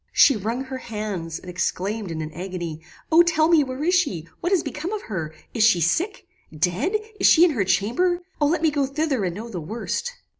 "She wrung her hands, and exclaimed in an agony, "O tell me, where is she? What has become of her? Is she sick? Dead? Is she in her chamber? O let me go thither and know the worst!"